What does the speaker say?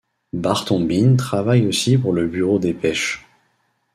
Barton Bean travaille aussi pour le bureau des pêches.